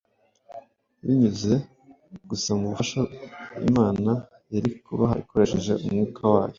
binyuze gusa mu bufasha Imana yari kubaha ikoresheje Mwuka wayo.